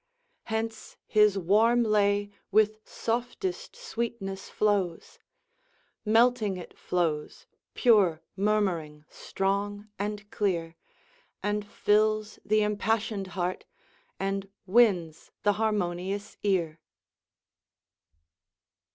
] Hence his warm lay with softest sweetness flows; Melting it flows, pure, numerous, strong, and clear, And fills th' impassioned heart, and wins th' harmonious ear.